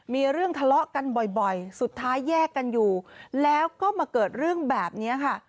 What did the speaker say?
มีเรื่องทะเลาะกันบ่อยสุดท้ายแยกกันอยู่แล้วก็มาเกิดเรื่องแบบนี้ค่ะ